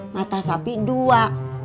mata sapi dua